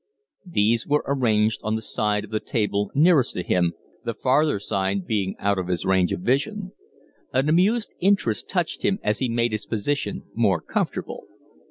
These were arranged on the side of the table nearest to him, the farther side being out of his range of vision. An amused interest touched him as he made his position more comfortable.